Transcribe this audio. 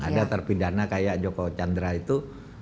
ada terpidana kayak joko chandra itu